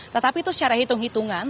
tetapi itu secara hitung hitungan